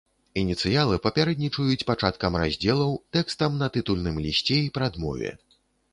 Ініцыялы папярэднічаюць пачаткам раздзелаў, тэкстам на тытульным лісце і прадмове.